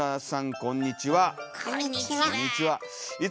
こんにちは。